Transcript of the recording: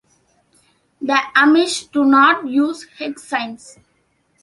The Amish do not use hex signs.